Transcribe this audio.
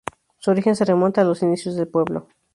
Su origen se remonta a los inicios del pueblo.